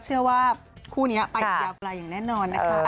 เชื่อว่าคู่นี้ไปยาวไกลอย่างแน่นอนนะคะ